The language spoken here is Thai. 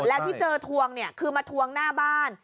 แล้วที่เจอทวงเนี่ยคือมาทวงหน้าบ้าน